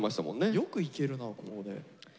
よくいけるなここで。